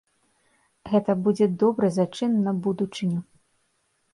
Гэта будзе добры зачын на будучыню.